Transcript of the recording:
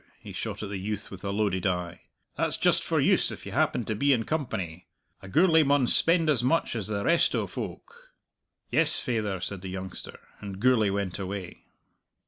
he shot at the youth with a loaded eye. "That's just for use if you happen to be in company. A Gourlay maun spend as much as the rest o' folk." "Yes, faither," said the youngster, and Gourlay went away.